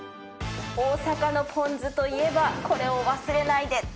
大阪のぽん酢といえばこれを忘れないで！